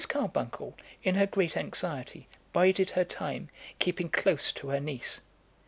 Carbuncle, in her great anxiety, bided her time, keeping close to her niece.